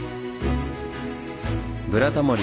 「ブラタモリ」